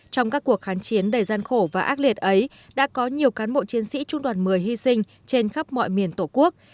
trong các cuộc khán chiến đầy gian khổ và ác liệt ấy đã có nhiều cán bộ chiến sĩ trung đoàn một mươi hy sinh trên khắp mọi miền tổ quốc